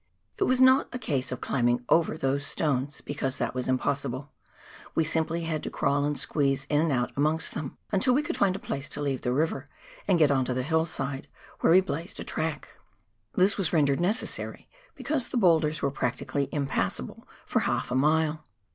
It was not a case of climbing over those stones, because that was impossible, we simply had to crawl and squeeze in and out amongst them, until we could find a place to leave the river, and get on to the hillside, where we blazed a track. This was rendered necessary, because the boulders were practically impassable for half a mile.